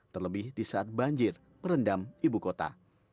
terlebih di saat banjir merendam ibu kota